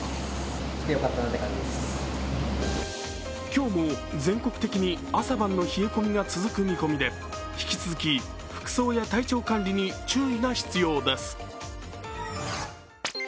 今日も全国的に朝晩の冷え込みが続く見込みで引き続き、服装や体調管理に注意が必要です。